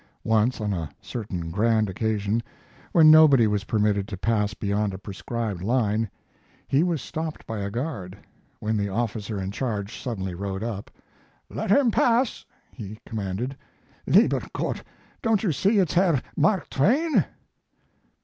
Once, on a certain grand occasion, when nobody was permitted to pass beyond a prescribed line, he was stopped by a guard, when the officer in charge suddenly rode up: "Let him pass," he commanded. "Lieber Gott! Don't you see it's Herr Mark Twain?"